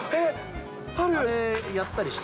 あれ、やったりして。